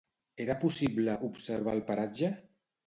Era possible observar el paratge?